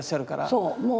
そう。